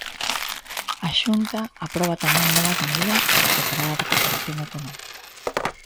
A Xunta aproba tamén novas medidas para preparar a recuperación económica.